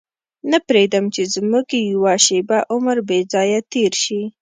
نه پرېږدي چې زموږ یوه شېبه عمر بې ځایه تېر شي.